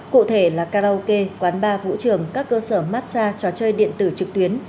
cụ thể là karaoke quán bar vũ trường các cơ sở massage trò chơi điện tử trực tuyến